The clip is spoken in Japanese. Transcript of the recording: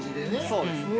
◆そうですね。